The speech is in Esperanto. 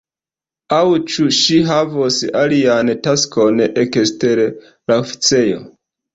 Aŭ ĉu ŝi havos alian taskon, ekster la oficejo?